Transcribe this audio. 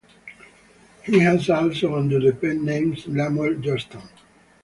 He has also under the pen names Lemuel Johnston.